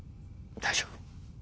大丈夫。